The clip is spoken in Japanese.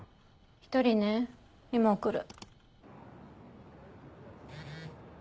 １人ね今送る。